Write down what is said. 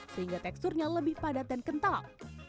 sehingga teksturnya lebih padat dan kental